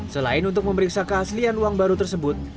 selain untuk memeriksa keaslian uang baru tersebut